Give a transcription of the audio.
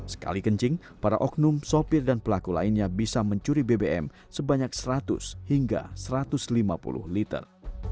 sekali kencing para oknum sopir dan pelaku lainnya bisa mencuri bbm sebanyak seratus hingga satu ratus lima puluh liter